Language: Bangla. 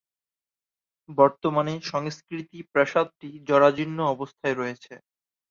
বর্তমানে সংস্কৃতি প্রাসাদটি জরাজীর্ণ অবস্থায় রয়েছে।